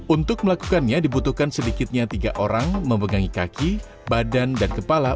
untuk melakukannya dibutuhkan sedikitnya tiga orang memegangi kaki badan dan kepala